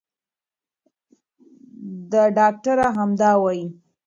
ډاکټره همدا وايي.